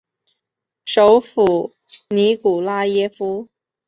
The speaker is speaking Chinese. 首府尼古拉耶夫。